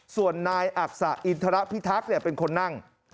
ส่วนนายอักษะอินทรพิทักษ์เป็นคนนั่ง